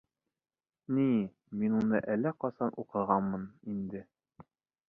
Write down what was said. Ни, мин уны әллә ҡасан уҡығанмын инде.